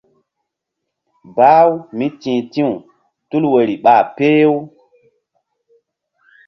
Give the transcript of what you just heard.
Bah-u míti̧h ti̧w tul woyri ɓa peh-u.